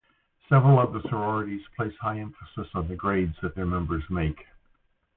Several of the sororities place high emphasis on the grades that their members make.